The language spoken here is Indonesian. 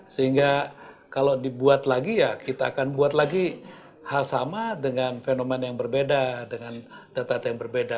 sehingga kalau dibuat lagi ya kita akan buat lagi hal sama dengan fenomena yang berbeda dengan data data yang berbeda